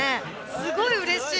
すごいうれしい！